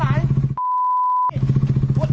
ใจเย็นพี่มีอะไรค่อยคุณ